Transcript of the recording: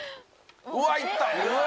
うわいった。